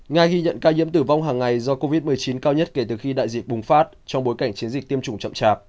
nga ghi nhận ca nhiễm tử vong hàng ngày do covid một mươi chín cao nhất kể từ khi đại dịch bùng phát trong bối cảnh chiến dịch tiêm chủng chậm chạp